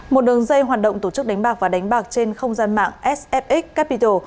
một đường dây hoạt động tổ chức đánh bạc và đánh bạc trên không gian mạng sfx capitol